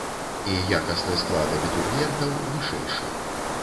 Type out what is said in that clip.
І якасны склад абітурыентаў вышэйшы.